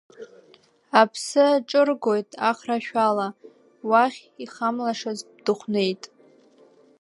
Аԥсы аҿыргоит Ахра ашәала, уахь ихамлашаз дыхәнеит.